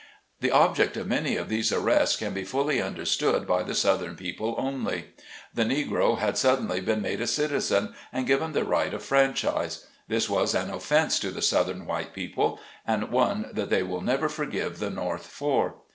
The object of many of these arrests can be fully understood by the Southern people only The Negro had suddenly been made a citizen and given the right of franchise ; this was an offence to the Southern white people — and one that they will never forgive the North for.